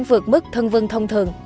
vượt mức thân vương thông thường